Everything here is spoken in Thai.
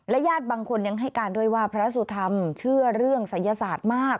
ญาติบางคนยังให้การด้วยว่าพระสุธรรมเชื่อเรื่องศัยศาสตร์มาก